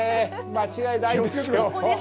間違いないですよ。